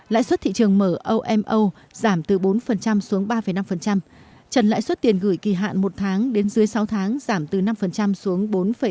lãi suất thị trường mở omo giảm từ bốn xuống ba năm trần lãi suất tiền gửi kỳ hạn một tháng đến dưới sáu tháng giảm từ năm xuống bốn năm